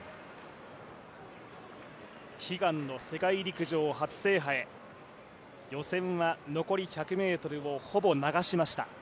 悲願の世界陸上初制覇へ予選は残り１００ｍをほぼ流しました。